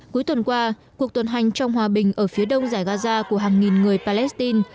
cuối tuần qua cuộc tuần hành trong hòa bình ở phía đông giải gaza của hàng nghìn người palestine